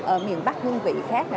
ở miền bắc hương vị khác